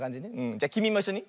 じゃきみもいっしょに。